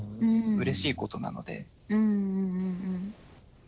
うれしいことなので。